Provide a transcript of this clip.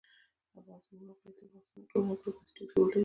د افغانستان د موقعیت د افغانستان د ټولنې لپاره بنسټيز رول لري.